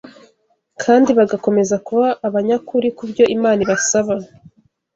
kandi bagakomeza kuba abanyakuri ku byo Imana ibasaba